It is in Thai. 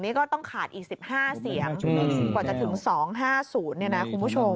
นี่ก็ต้องขาดอีก๑๕เสียงกว่าจะถึง๒๕๐เนี่ยนะคุณผู้ชม